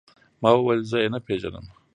ما وويل زه يې نه پېژنم.